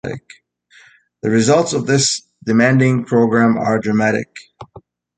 The results of this demanding program are dramatic.